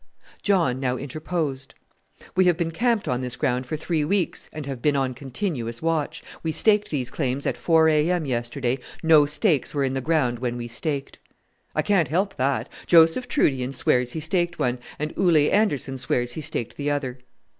John now interposed. "We have been camped on this ground for three weeks, and have been on continuous watch. We staked these claims at 4 A.M. yesterday. No stakes were in the ground when we staked." "I can't help that; Joseph Trudean swears he staked one, and Ole Anderson swears he staked the other."